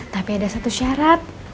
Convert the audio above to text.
tapi ada satu syarat